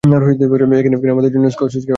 এখানে আমাদের জন্য স্কচ হুইস্কি আর ভদকা দিবেন।